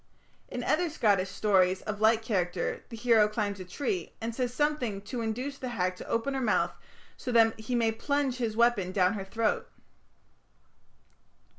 In other Scottish stories of like character the hero climbs a tree, and says something to induce the hag to open her mouth, so that he may plunge his weapon down her throat.